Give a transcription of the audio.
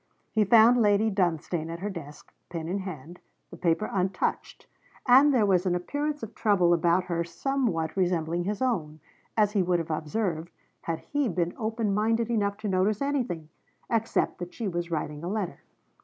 He found Lady Dunstane at her desk, pen in hand, the paper untouched; and there was an appearance of trouble about her somewhat resembling his own, as he would have observed, had he been open minded enough to notice anything, except that she was writing a letter.